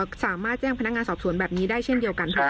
ก็สามารถแจ้งพนักงานสอบสวนแบบนี้ได้เช่นเดียวกันค่ะ